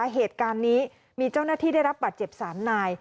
เหตุการณ์นี้มีเจ้านาธิได้รับบัตรเจ็บสารนาย